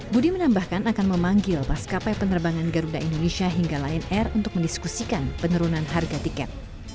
budi menambahkan akan memanggil maskapai penerbangan garuda indonesia hingga lion air untuk mendiskusikan penurunan harga tiket